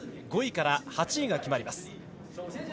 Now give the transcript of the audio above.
５位から８位が決まります。